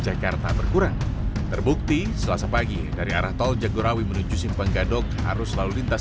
jakarta berkurang terbukti selasa pagi dari arah tol jagorawi menuju simpang gadok arus lalu lintas